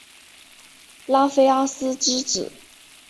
拉菲阿斯之子。